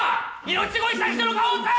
命乞いした人の顔をさ！